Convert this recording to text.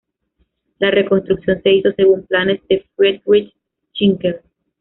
La reconstrucción se hizo según planes de Friedrich Schinkel.